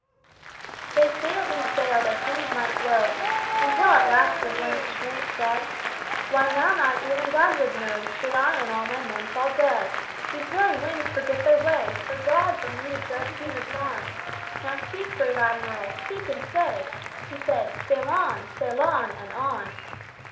'" They sailed and sailed, as winds might blow, Until at last the blanched mate said: "Why, now not even God would know Should I and all my men fall dead. These very winds forget their way, For God from these dread seas is gone. Now speak, brave Admiral, speak and say" He said: "Sail on! sail on! and on!"